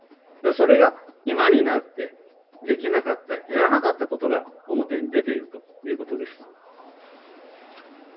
それが今になって、できなかった、やらなかったことが表に出ているということです。